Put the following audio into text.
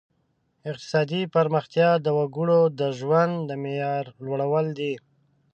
اقتصادي پرمختیا د وګړو د ژوند د معیار لوړول دي.